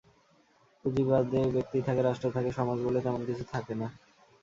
পঁুজিবাদে ব্যক্তি থাকে, রাষ্ট্র থাকে, সমাজ বলে তেমন কিছু থাকে না।